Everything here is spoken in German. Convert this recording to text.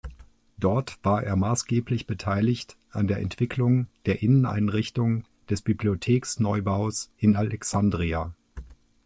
Dort war er maßgeblich beteiligt an der Entwicklung der Inneneinrichtung des Bibliotheks-Neubaues in Alexandria.